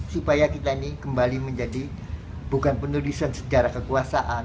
supaya kita ini kembali menjadi bukan penulisan sejarah kekuasaan